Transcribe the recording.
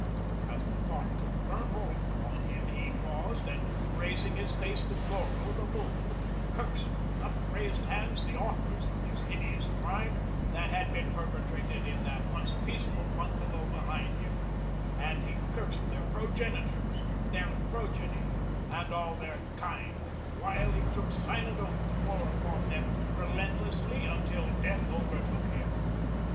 As the thought took firm hold upon him he paused and raising his face to Goro, the moon, cursed with upraised hand the authors of the hideous crime that had been perpetrated in that once peaceful bungalow behind him; and he cursed their progenitors, their progeny, and all their kind the while he took silent oath to war upon them relentlessly until death overtook him.